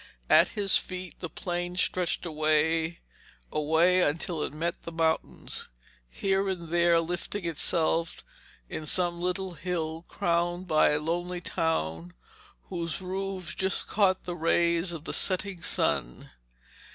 At his feet the plain stretched away, away until it met the mountains, here and there lifting itself in some little hill crowned by a lonely town whose roofs just caught the rays of the setting sun.